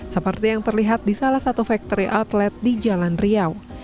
seperti yang terlihat di salah satu factory outlet di jalan riau